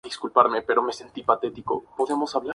Pero no solo recibe el creador de la serie.